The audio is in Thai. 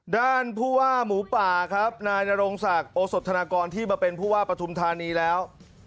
ด้านผู้ว่าหมูป่าครับนายนรงศักดิ์โอสธนากรที่มาเป็นผู้ว่าปฐุมธานีแล้ว